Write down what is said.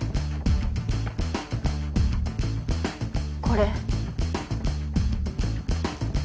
これ。